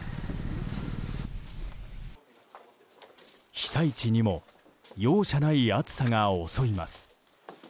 被災地にも容赦ない暑さが襲います。